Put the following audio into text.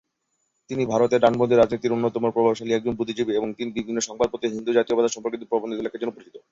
তিনি ভারতের ডানপন্থী রাজনীতির অন্যতম প্রভাবশালী একজন বুদ্ধিজীবী এবং বিভিন্ন সংবাদপত্রে হিন্দু জাতীয়তাবাদ সম্পর্কিত প্রবন্ধ লেখার জন্যে পরিচিত।